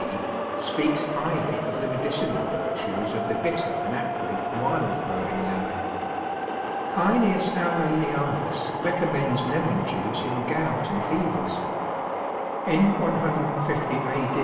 D.) speaks highly of the medicinal virtues of the bitter and acrid wild growing lemon. Cælius Aurelianus recommends lemon juice in gout and fevers. In 150 A.